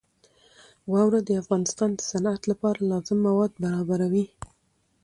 واوره د افغانستان د صنعت لپاره لازم مواد برابروي.